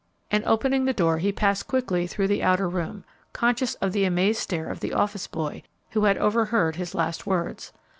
and, opening the door, he passed quickly through the outer room, conscious of the amazed stare of the office boy, who had overheard his last words.